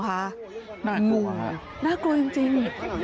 น่าลูกมากครับนะครับน่ากลัวจริง